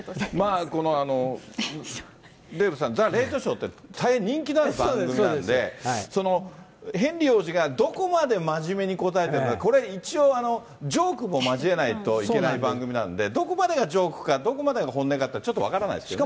このデーブさん、ザ・レイトショーって、大変人気のある番組なんで、そのヘンリー王子が、どこまで真面目に答えてるか、これ、一応、ジョークも交えないといけない番組なんで、どこまでがジョークか、どこまでが本音かってちょっと分からないですけどね。